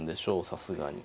さすがに。